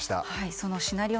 そのシナリオ